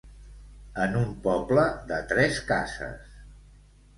En un poble de tres cases.